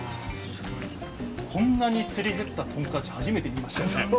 こんなに磨り減ったトンカチ、初めて見ました。